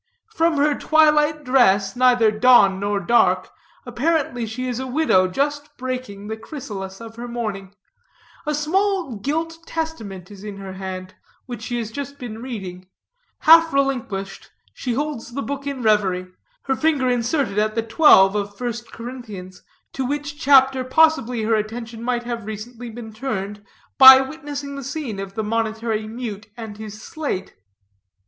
From her twilight dress, neither dawn nor dark, apparently she is a widow just breaking the chrysalis of her mourning. A small gilt testament is in her hand, which she has just been reading. Half relinquished, she holds the book in reverie, her finger inserted at the xiii. of 1st Corinthians, to which chapter possibly her attention might have recently been turned, by witnessing the scene of the monitory mute and his slate.